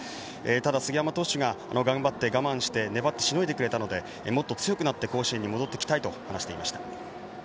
ただ、杉山投手が頑張って我慢して粘ってしのいでくれたのでもっと強くなって甲子園に戻ってきたいと話してくれました。